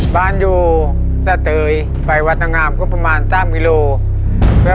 บ้านอยู่สะเตยไปวัดนางงามก็ประมาณ๓กิโล